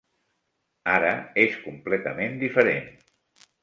Ara és completament diferent